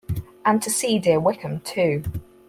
And to see dear Wickham too!